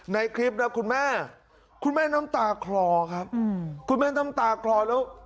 ในคลิปนะคุณแม่คุณแม่น้ำตาคลอครับคุณแม่น้ำตาคลอแล้ว